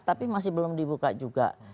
tapi masih belum dibuka juga